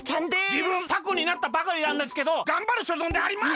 じぶんタコになったばかりなんですけどがんばるしょぞんであります！